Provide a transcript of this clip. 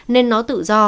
nên nó tự do